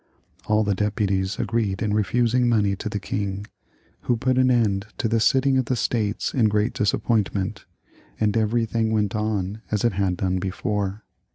All the deputies agreed in refusing money to the king, who put an end to the sitting of the States in 288 HENRY III. [CH. great disappointment, and everything went on as it had done before.